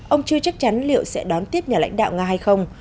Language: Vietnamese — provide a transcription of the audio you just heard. ông chưa chắc chắn liệu sẽ đón tiếp nhà lãnh đạo nga hay không